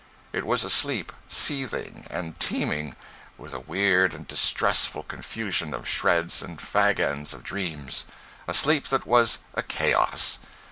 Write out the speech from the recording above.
It was a sleep seething and teeming with a weird and distressful confusion of shreds and fag ends of dreams—a sleep that was a chaos.